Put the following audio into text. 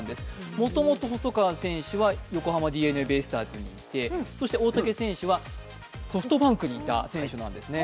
もともと細川選手は横浜ＤｅＮＡベイスターズにいて大竹選手はソフトバンクにいた選手なんですね。